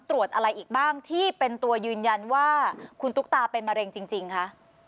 ตรวจอะไรอีกบ้างที่เป็นตัวยืนยันว่าคุณตุ๊กตาเป็นมะเร็งจริงคะ